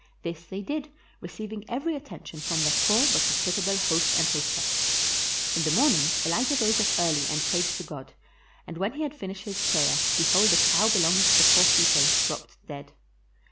This they did, receiving every attention from their poor but hospitable host and hostess. In the morning Elijah rose up early and prayed to God, and when he had finished his prayer, behold the cow belonging to the poor people dropped dead.